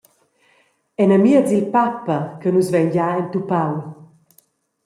Enamiez il papa che nus vein gia entupau.